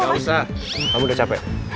gak usah kamu udah capek